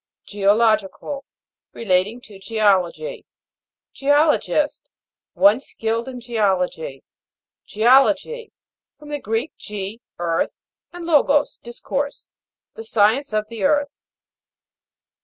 GEOLO'GICAL. Relating to Geology. GEO'LOGIST. One skilled in Geology. GEO'LOGY. From the Greek^ e, earth, and logos, discourse. The science of the earth.